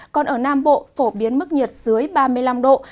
còn ở nam bộ phổ biến mức nhiệt dưới ba mươi năm độ